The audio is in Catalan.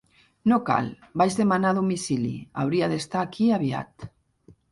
No cal, vaig demanar a domicili, hauria d'estar aquí aviat.